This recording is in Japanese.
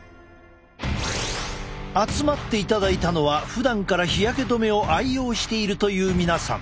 集まっていただいたのはふだんから日焼け止めを愛用しているという皆さん。